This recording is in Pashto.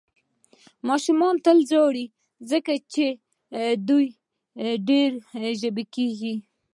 ماشومان تل ژاړي، ځکه یې ډېر ژبۍ کېږي.